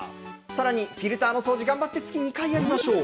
さらにフィルターの掃除、頑張って月２回やりましょう。